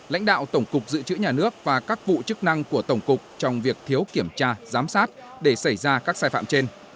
lãnh đạo tổng cục dự trữ nhà nước và các vụ chức năng của tổng cục trong việc thiếu kiểm tra giám sát để xảy ra các sai phạm trên